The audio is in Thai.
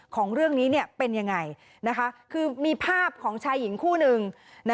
ของเรื่องนี้เป็นยังไงคือมีภาพของชายหญิงคู่หนึ่ง